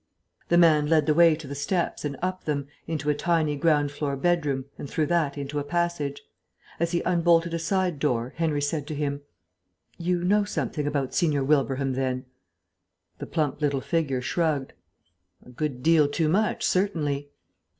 The man led the way to the steps and up them, into a tiny ground floor bedroom, and through that into a passage. As he unbolted a side door, Henry said to him, "You know something about Signor Wilbraham, then?" The plump little figure shrugged. "A good deal too much, certainly."